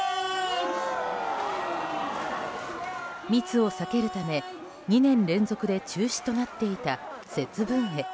密を避けるため、２年連続で中止となっていた節分会。